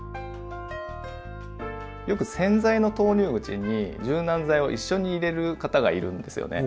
よく洗剤の投入口に柔軟剤を一緒に入れる方がいるんですよね。